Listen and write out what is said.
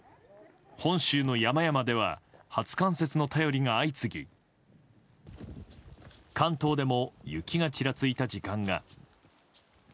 本州の山々では初冠雪の便りが相次ぎ関東でも雪がちらついた時間が。